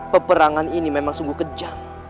peperangan ini memang sungguh kejang